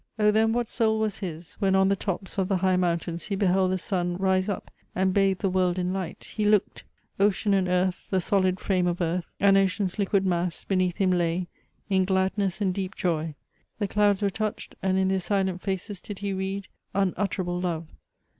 "O then what soul was his, when on the tops Of the high mountains he beheld the sun Rise up, and bathe the world in light! He looked Ocean and earth, the solid frame of earth, And ocean's liquid mass, beneath him lay In gladness and deep joy. The clouds were touched, And in their silent faces did he read Unutterable love.